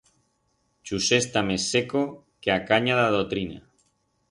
Chusé está mes seco que a canya d'a doctrina.